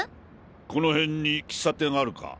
この辺に喫茶店はあるか？